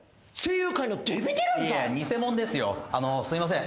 あのすいません